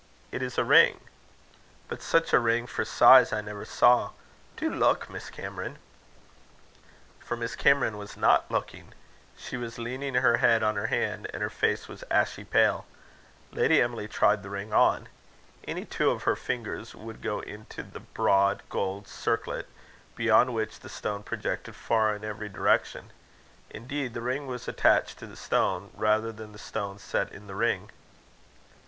It is a ring. But such a ring for size, I never saw. Do look, Miss Cameron." For Miss Cameron was not looking. She was leaning her head on her hand, and her face was ashy pale. Lady Emily tried the ring on. Any two of her fingers would go into the broad gold circlet, beyond which the stone projected far in every direction. Indeed, the ring was attached to the stone, rather than the stone set in the ring.